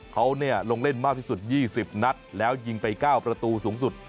เขาลงเล่นมากที่สุด๒๐นัดแล้วยิงไป๙ประตูสูงสุด